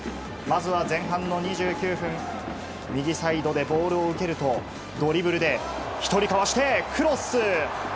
まずは前半の２９分右サイドでボールを受けるとドリブルで１人かわしてクロス！